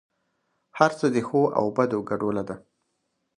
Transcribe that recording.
هر څه د ښو او بدو ګډوله ده.